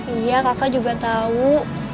iya kakak juga tahu